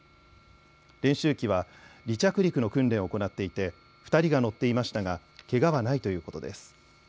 練習機は離着陸の訓練を行っていて２人が乗っていましたが、けがはないということです。